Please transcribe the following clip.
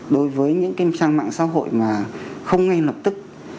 đối với những cái trang mạng xã hội mà không ngay lập tức